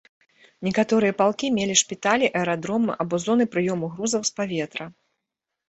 Некаторыя палкі мелі шпіталі, аэрадромы або зоны прыёму грузаў з паветра.